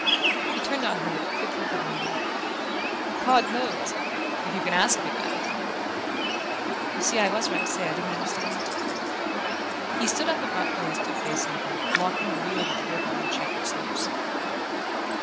He turned on her with a quick look of wonder. "God knows if you can ask me that!" "You see I was right to say I didn't understand." He stood up abruptly and stood facing her, blocking the view over the river and the checkered slopes.